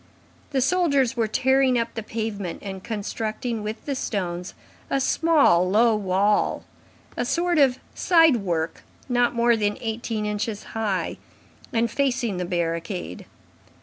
The soldiers were tearing up the pavement and constructing with the stones a small, low wall, a sort of side work not more than eighteen inches high, and facing the barricade.